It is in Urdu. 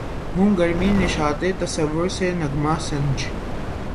ہوں گرمیِ نشاطِ تصور سے نغمہ سنج